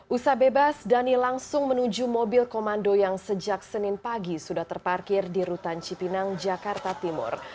usaha bebas dhani langsung menuju mobil komando yang sejak senin pagi sudah terparkir di rutan cipinang jakarta timur